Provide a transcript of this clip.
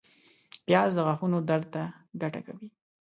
پیاز د غاښونو درد ته ګټه کوي